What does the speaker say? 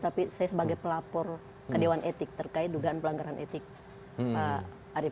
tapi saya sebagai pelapor ke dewan etik terkait dugaan pelanggaran etik pak arief